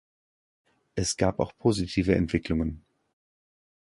Es gab auch positive Entwicklungen.